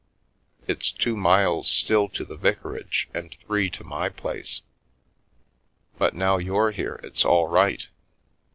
It's two miles still to the vicarage and three to my place. But now you're here it's all right.